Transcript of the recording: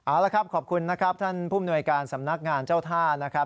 และครับขอบคุณท่านผู้บุตรการสำนักงานเจ้าท่า